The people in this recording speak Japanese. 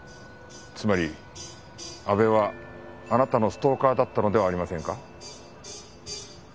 つまり阿部はあなたのストーカーだったのではありませんか？